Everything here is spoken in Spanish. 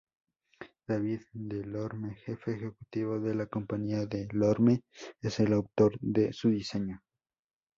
David DeLorme, jefe ejecutivo de la compañía DeLorme, es el autor de su diseño.